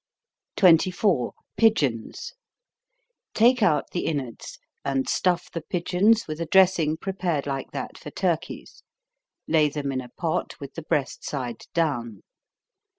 24. Pigeons. Take out the inwards, and stuff the pigeons with a dressing prepared like that for turkeys, lay them in a pot with the breast side down.